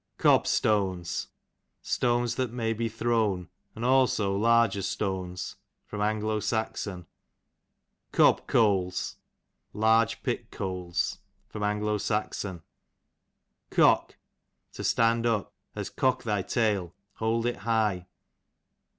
Cobstones, stones that may he thrown; and also larger stones. A. S. Cob coals, large pit coals. A. S. Cook, to stand up, as cock thy tail, hold it high.